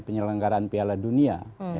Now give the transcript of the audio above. penyelenggaraan piala dunia